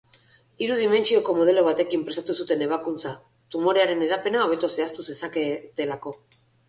Hiru dimentsioko modelo batekin prestatu zuten ebakuntza, tumorearen hedapena hobeto zehaztu zezaketelako.